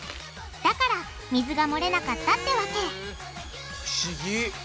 だから水がもれなかったってわけ不思議！